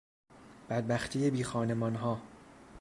بدبختی بیخانمانها